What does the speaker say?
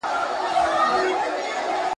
نه به چاته له پنجابه وي د جنګ امر راغلی `